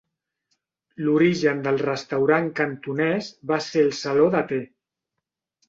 L'origen del restaurant cantonès va ser el saló de te.